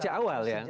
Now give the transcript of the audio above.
sejak awal ya